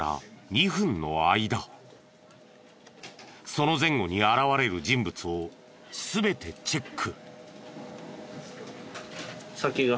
その前後に現れる人物を全てチェック。